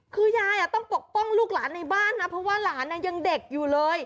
คือยายต้องปกป้องลูกหลานในบ้านนะเพราะว่าหลานยังเด็กอยู่เลย